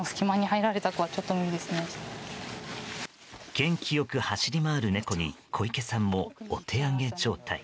元気良く走り回る猫に小池さんもお手上げ状態。